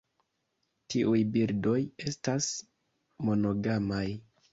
Tiuj birdoj estas monogamaj.